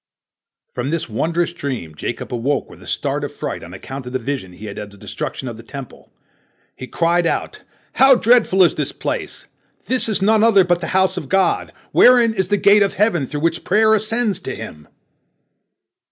From this wondrous dream Jacob awoke with a start of fright, on account of the vision he had had of the destruction of the Temple. He cried out, "How dreadful is this place! this is none other but the house of God, wherein is the gate of heaven through which prayer ascends to Him."